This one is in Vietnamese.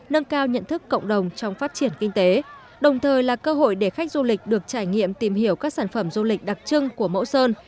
nâng cao nhận thức cộng đồng trong phát triển kinh tế đồng thời là cơ hội để khách du lịch được trải nghiệm tìm hiểu các sản phẩm du lịch đặc trưng của mẫu sơn